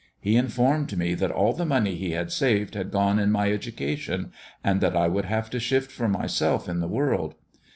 He informed me that all the money he had saved had gone in my education, and that I would have to shift for myself in the world.